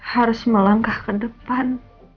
harus melangkah ke depan